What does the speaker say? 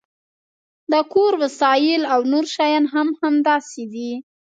د کور وسایل او نور شیان هم همداسې دي